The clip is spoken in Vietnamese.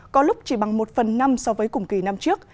có lúc chỉ bằng một phần năm so với cùng kỳ năm trước